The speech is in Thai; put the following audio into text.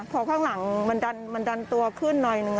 พอข้างหลังมันดันตัวขึ้นหน่อยหนึ่ง